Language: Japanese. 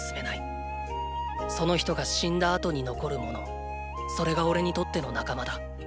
その人が死んだ後に残るものそれがおれにとっての“仲間”だ。